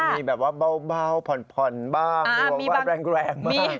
มีแบบว่าเบาผ่อนบ้างหรือหวังว่าแรงมาก